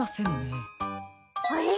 あれ？